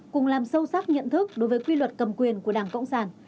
cùng làm sâu sắc nhận thức đối với quy luật cầm quyền của đảng cộng sản